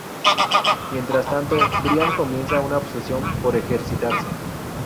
Mientras tanto, Brian comienza una obsesión por ejercitarse.